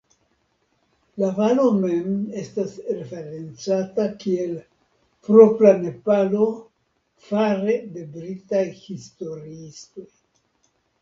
La valo mem estas referencata kiel "Propra Nepalo" fare de britaj historiistoj.